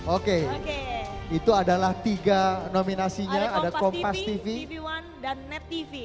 oke itu adalah tiga nominasinya ada kompas tv one dan net tv